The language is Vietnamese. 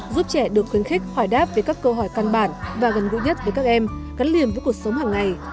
giúp trẻ được khuyến khích hỏi đáp về các câu hỏi căn bản và gần gũi nhất với các em gắn liền với cuộc sống hàng ngày